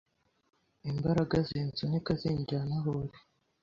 imbaraga zinsunika zinjyana aho uri